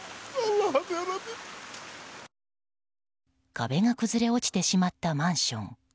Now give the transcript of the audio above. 壁が崩れ落ちてしまったマンション。